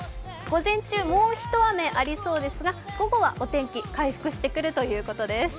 午前中、もうひと雨ありそうですが午後はお天気回復してくるということです。